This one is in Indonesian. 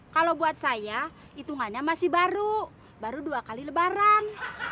kalau buat saya hitungannya masih baru baru dua kali lebaran